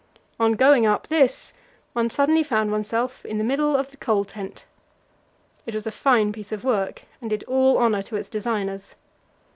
On going up this one suddenly found oneself in the middle of the coal tent. It was a fine piece of work, and did all honour to its designers.